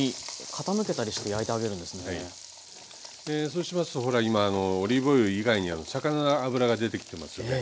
そうしますとほら今オリーブオイル以外に魚の脂が出てきてますよね。